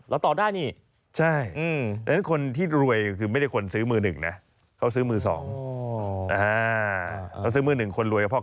เราตอบได้นี่ใช่อืมดังนั้นคนที่รวยก็คือไม่ได้คนซื้อมือหนึ่งน่ะ